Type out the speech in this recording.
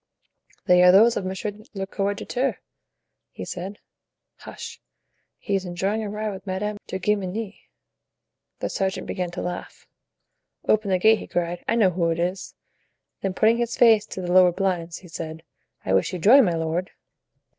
"They are those of monsieur le coadjuteur," he said. "Hush; he is enjoying a ride with Madame de Guemenee." The sergeant began to laugh. "Open the gate," he cried. "I know who it is!" Then putting his face to the lowered blinds, he said: "I wish you joy, my lord!"